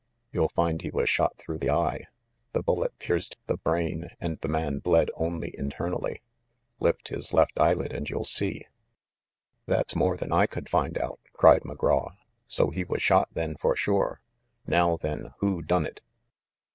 You'll find he was shot through the eye. The bullet pierced the brain, and the man bled only in ternally. Lift his left eyelid and you'll see." "That's more than I could find out," cried McGraw. "So he was shot, then, for sure. Now, then, who done it?"